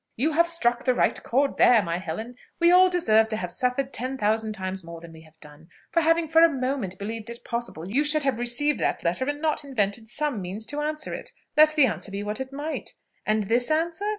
"You have struck the right chord there, my Helen. We all deserve to have suffered ten thousand times more than we have done, for having for a moment believed it possible you should have received that letter and not invented some means to answer it let the answer be what it might. And this answer?